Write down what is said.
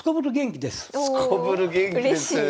すこぶる元気ですよね